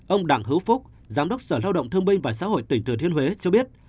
ông đảng hữu phúc giám đốc sở lao động thương binh và xã hội tỉnh thừa thiên huế cho biết